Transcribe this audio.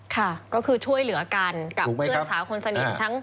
ค่ะก็คือช่วยเหลือกันกับเพื่อนสาวคนสนิททั้ง